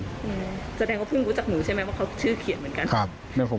แสดงเพิ่งรู้จักหนูว่าเขาชื่อเขียนเหมือนกัน